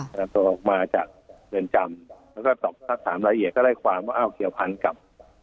ประกันตัวออกมาจากเดือนจำแล้วก็สักถามละเอียดก็ได้ความว่าเอาเกี่ยวพันธ์กับ